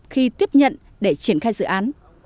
khi tiếp nhận để triển khai dự án